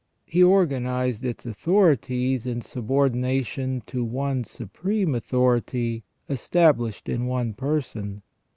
He organized its authorities in subordination to one supreme authority established in one person.